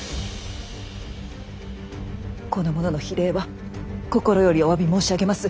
この者の非礼は心よりおわび申し上げます。